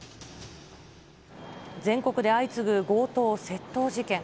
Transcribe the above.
全国で相次ぐ強盗・窃盗事件。